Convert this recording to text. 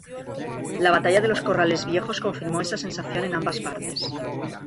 La batalla de los Corrales Viejos confirmó esa sensación en ambas partes.